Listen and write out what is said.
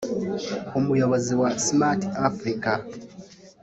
umuyobozi wa ‘Smart Africa’